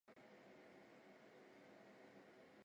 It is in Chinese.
郑橞祖籍清华处永福县槊山社忭上乡。